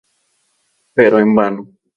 Pero en vano.